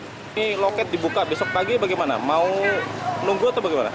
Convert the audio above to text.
ini loket dibuka besok pagi bagaimana mau nunggu atau bagaimana